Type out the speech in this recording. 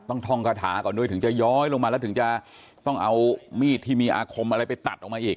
ท่องคาถาก่อนด้วยถึงจะย้อยลงมาแล้วถึงจะต้องเอามีดที่มีอาคมอะไรไปตัดออกมาอีก